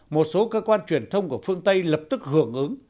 một số cơ quan truyền thông của phương tây lập tức hưởng ứng